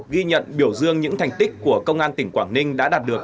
ghi nhận biểu dương những thành tích của công an tỉnh quảng ninh đã đạt được